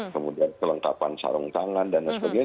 kemudian kelengkapan sarung tangan dan lain sebagainya